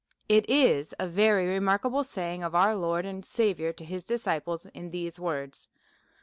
IT is a very remarkable saying of our Lord and Saviour to his disciples in these words.